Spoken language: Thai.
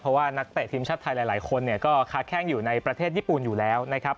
เพราะว่านักเตะทีมชาติไทยหลายคนเนี่ยก็ค้าแข้งอยู่ในประเทศญี่ปุ่นอยู่แล้วนะครับ